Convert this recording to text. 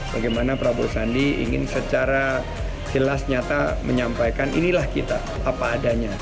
bagaimana prabowo sandi ingin secara jelas nyata menyampaikan inilah kita apa adanya